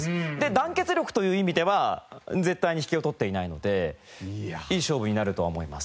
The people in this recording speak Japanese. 団結力という意味では絶対に引けを取っていないのでいい勝負になるとは思います。